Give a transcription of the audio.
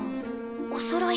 おそろい。